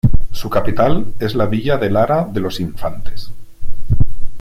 Su capital es la villa de Lara de los Infantes.